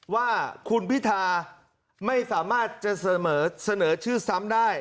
ว่าคุณพิธาไม่สามารถจะเสนอชื่อซ้ำได้